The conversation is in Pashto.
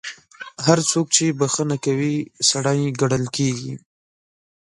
هر څوک چې بخښنه کوي، سړی ګڼل کیږي.